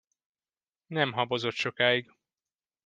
Nem habozott sokáig.